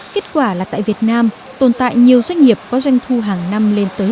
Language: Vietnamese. kết quả là tại việt nam tồn tại nhiều doanh nghiệp có doanh thu hàng năm lên tới hàng trăm triệu đồng